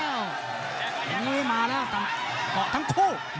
เกาะสะหมุยมาแล้วเกาะทั้งคู่